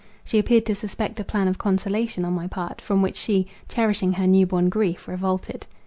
She appeared to suspect a plan of consolation on my part, from which she, cherishing her new born grief, revolted.